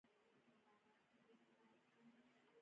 کانګو ته په رسېدو سره په بوشونګ سیمه کې خلک ژوند کوي